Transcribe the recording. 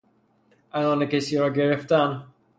عنان کسی را گرفتن